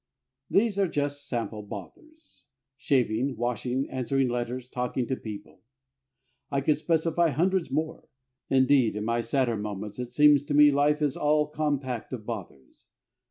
These are just sample bothers shaving, washing, answering letters, talking to people. I could specify hundreds more. Indeed, in my sadder moments, it seems to me life is all compact of bothers.